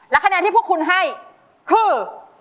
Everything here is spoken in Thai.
คะแนนที่พวกคุณให้คือ